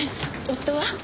夫は？